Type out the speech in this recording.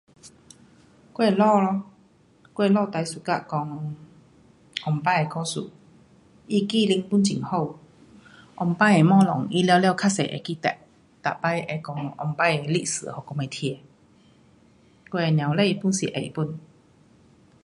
我的父亲咯，我的父亲最 suka 讲以前的故事。他记性 pun 很好。以前的东西他全部较多会记得。每次会讲以前的历史给我们听。我母亲 pun 是会 pun。